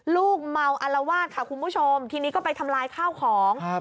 ลูกเมาอลวาสค่ะคุณผู้ชมทีนี้ก็ไปทำลายข้าวของครับ